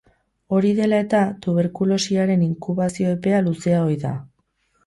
Hori dela eta, tuberkulosiaren inkubazio epea luzea ohi da.